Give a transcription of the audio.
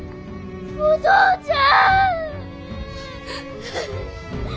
お父ちゃん。